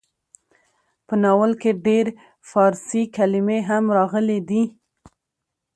په ناول کې ډېر فارسي کلمې هم راغلې ډي.